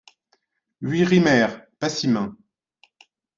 huit Rymers, passim.